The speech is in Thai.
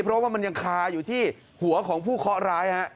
เพราะว่ามันยังคาอยู่ที่หัวของผู้เคาะร้ายฮะ